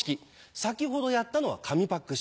先ほどやったのは紙パック式。